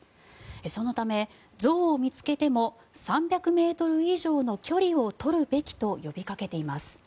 そのため、象を見つけても３００ｍ以上の距離を取るべきと呼びかけています。